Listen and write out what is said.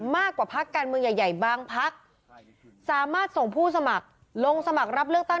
มากกว่าพักการเมืองใหญ่ใหญ่บางพักสามารถส่งผู้สมัครลงสมัครรับเลือกตั้ง